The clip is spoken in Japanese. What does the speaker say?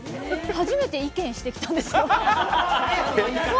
初めて意見してきたんですよ。